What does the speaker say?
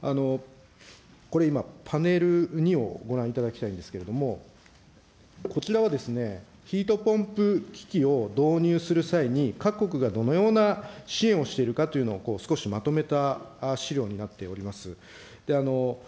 これ今、パネル２をご覧いただきたいんですけれども、こちらは、ヒートポンプ機器を導入する際に、各国がどのような支援をしているかというのを少しまとめた資料になっております。